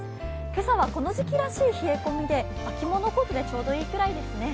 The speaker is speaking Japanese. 今朝はこの時期らしい冷え込みで、秋物コートでちょうどいいくらいですね。